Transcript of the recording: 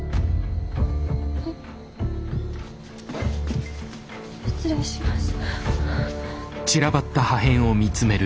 はい失礼します。